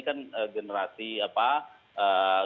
kan generasi yang memakai gawai yang difasilitasi oleh anak ini